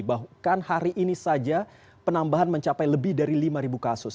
bahkan hari ini saja penambahan mencapai lebih dari lima kasus